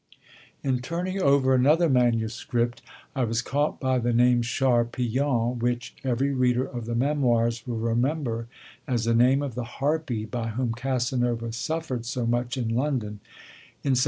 In turning over another manuscript, I was caught by the name Charpillon, which every reader of the Memoirs will remember as the name of the harpy by whom Casanova suffered so much in London, in 1763 4.